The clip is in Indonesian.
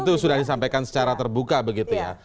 itu sudah disampaikan secara terbuka begitu ya